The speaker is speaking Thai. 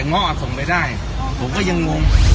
เงาะส่งไปได้ผมก็ยังงง